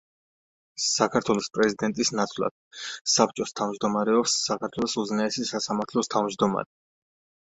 საქართველოს პრეზიდენტის ნაცვლად საბჭოს თავმჯდომარეობს საქართველოს უზენაესი სასამართლოს თავმჯდომარე.